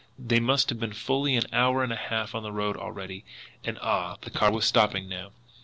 They must have been fully an hour and a half on the road already, and ah, the car was stopping now!